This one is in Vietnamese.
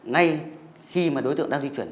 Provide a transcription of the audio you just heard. ngay khi đối tượng đang di chuyển